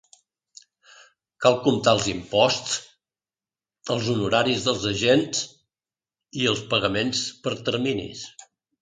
Cal comptar els imposts, els honoraris dels agents, els pagaments per terminis.